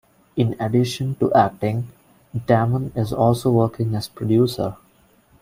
In addition to acting, Damon is also working as a producer.